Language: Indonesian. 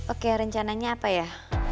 oke rencananya apa ya